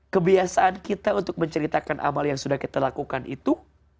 kebiasaan kita untuk menceritakan amal yang sudah kita lakukan itu